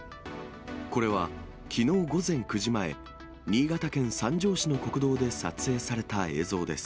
これはきのう午前９時前、新潟県三条市の国道で撮影された映像です。